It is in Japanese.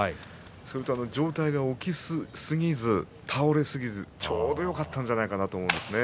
それと上体が起きすぎず倒れすぎずちょうどよかったんじゃないかなと思うんですね。